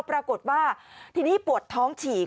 ปรากฏว่าทีนี้ปวดท้องฉีก